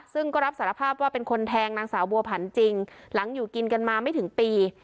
ซึ่งก็รับสารภาพว่าเป็นคนแทงนางสาวบัวผันจริงหลังอยู่กินกันมาไม่ถึงปี